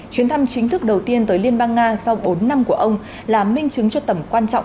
chuyến thăm chính thức đầu tiên tới liên bang nga sau bốn năm của ông là minh chứng cho tầm quan trọng